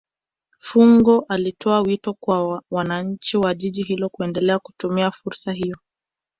fungo alitoa wito kwa wananchi wa jiji hilo kuendelea kutumia fursa hiyo